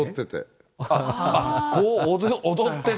ああ、こう、踊ってて。